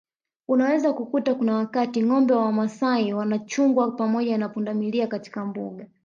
Unaweza kukuta kuna wakati ngombe wa Wamasai wanachunga pamoja na pundamilia katika Mbuga